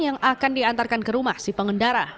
yang akan diantarkan ke rumah si pengendara